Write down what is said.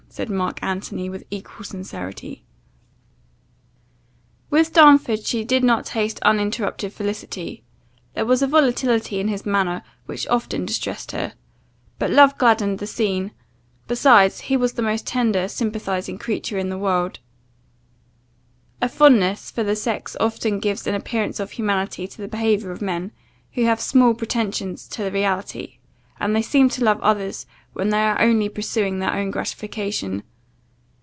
said Mark Antony with equal sincerity. * The name in the manuscript is by mistake written Caesar. EDITOR. [Godwin's note] With Darnford she did not taste uninterrupted felicity; there was a volatility in his manner which often distressed her; but love gladdened the scene; besides, he was the most tender, sympathizing creature in the world. A fondness for the sex often gives an appearance of humanity to the behaviour of men, who have small pretensions to the reality; and they seem to love others, when they are only pursuing their own gratification.